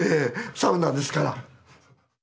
サウナですから。